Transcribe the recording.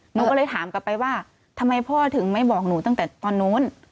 หนูก็เลยถามกลับไปว่าทำไมพ่อถึงไม่บอกหนูตั้งแต่ตอนนู้น